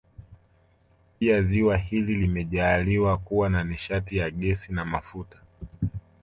Pia ziwa hili limejaaliwa kuwa na nishati ya gesi na mafuta